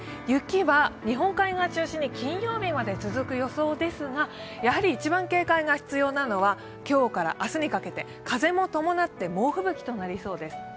雪は日本海側を中心に金曜日まで続く予想ですがやはり一番警戒が必要なのが今日から明日にかけて、風も伴って猛吹雪となりそうです。